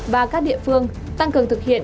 và các địa phương tăng cường thực hiện